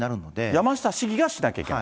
山下市議がしなきゃいけない？